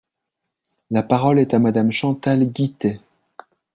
La parole est à Madame Chantal Guittet.